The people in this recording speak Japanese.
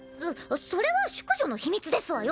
そそれは淑女の秘密ですわよ。